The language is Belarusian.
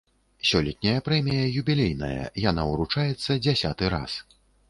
Сёлетняя прэмія юбілейная, яна ўручаецца дзясяты раз.